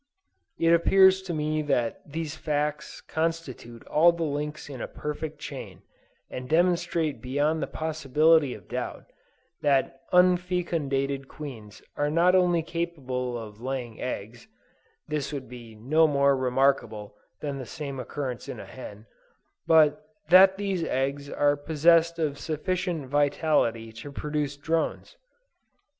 It appears to me that these facts constitute all the links in a perfect chain, and demonstrate beyond the possibility of doubt, that unfecundated queens are not only capable of laying eggs, (this would be no more remarkable than the same occurrence in a hen,) but that these eggs are possessed of sufficient vitality to produce drones.